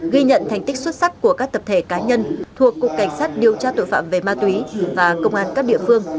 ghi nhận thành tích xuất sắc của các tập thể cá nhân thuộc cục cảnh sát điều tra tội phạm về ma túy và công an các địa phương